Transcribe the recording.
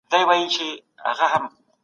تاسو به تل په خپله وړتیا باور لرئ.